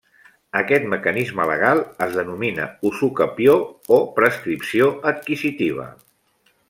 Aquest mecanisme legal es denomina usucapió o prescripció adquisitiva.